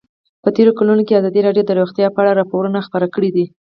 په تېرو کلونو کې ازادي راډیو د روغتیا په اړه راپورونه خپاره کړي دي.